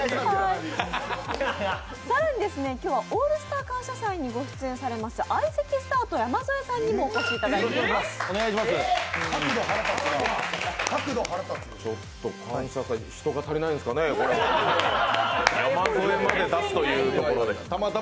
更に今日は「オールスター感謝祭」にご出演されます相席スタート、山添さんにもお越しいただきました。